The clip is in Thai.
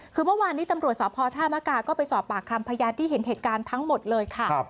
คือเมื่อวานนี้ตำรวจสพธามกาก็ไปสอบปากคำพยานที่เห็นเหตุการณ์ทั้งหมดเลยค่ะ